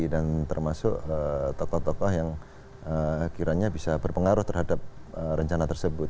dan termasuk tokoh tokoh yang kiranya bisa berpengaruh terhadap rencana tersebut